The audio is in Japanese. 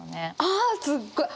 あすっごい！